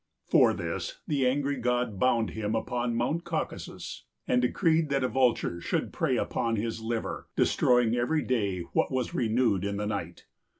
For this, the angry god bound him upon Mount Caucasus, and decreed that a vulture should prey upon his liver, destroying every day what was renewed in the night.